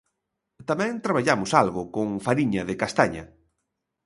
Tamén traballamos algo con fariña de castaña.